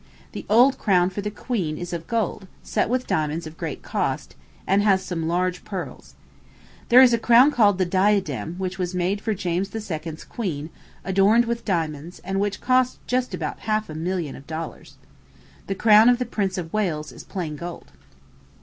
The old crown for the queen is of gold, set with diamonds of great cost, and has some large pearls. There is a crown called "the Diadem," which was made for James II.'s queen, adorned with diamonds, and which cost just about half a million of dollars. The crown of the Prince of Wales is plain gold.